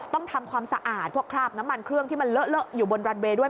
ต้องทำความสะอาดพวกคราบน้ำมันเครื่องที่มันเลอะอยู่บนรันเวย์ด้วย